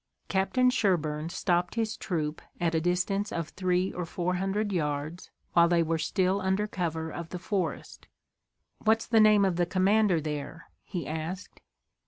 Captain Sherburne stopped his troop at a distance of three or four hundred yards, while they were still under cover of the forest. "What's the name of the commander there?" he asked.